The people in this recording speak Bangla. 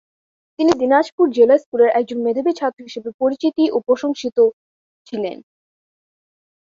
তিনি দিনাজপুর জেলা স্কুলের একজন মেধাবী ছাত্র হিসেবে পরিচিতি ও প্রশংসিত ছিলেন।